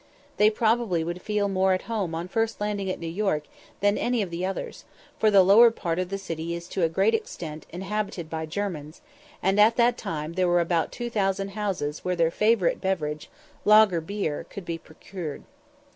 They probably would feel more at home on first landing at New York than any of the others, for the lower part of the city is to a great extent inhabited by Germans, and at that time there were about 2000 houses where their favourite beverage, lager beer, could be procured.